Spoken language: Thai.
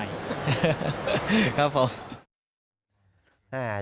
ที่แบบเป็นเรื่องส่วนตัวพิเศษ